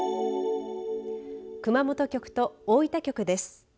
熊本局と大分局です。